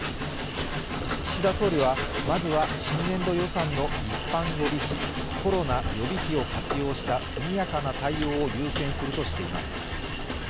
岸田総理はまずは新年度予算の一般予備費コロナ予備費を活用した速やかな対応を優先するとしています。